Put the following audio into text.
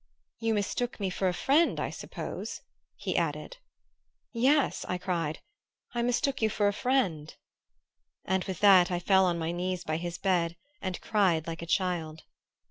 "You mistook me for a friend, I suppose?" he added. "Yes," I cried, "I mistook you for a friend;" and with that I fell on my knees by his bed and cried like a child.